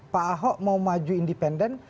pak ahok mau maju independen